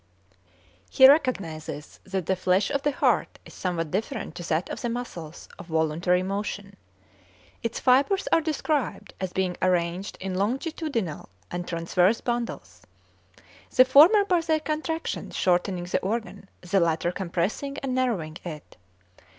He recognizes that the flesh of the heart is somewhat different to that of the muscles of voluntary motion. Its fibres are described as being arranged in longitudinal and transverse bundles; the former by their contractions shortening the organ, the latter compressing and narrowing it.